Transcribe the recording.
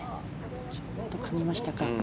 ちょっとかみましたか。